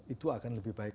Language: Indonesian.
itu akan lebih baik